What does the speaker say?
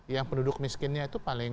yang penduduk miskinnya itu paling